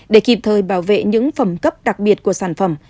để kịp thời bảo vệ những phẩm cấp đặc biệt của sản phẩm